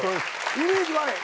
イメージ悪い。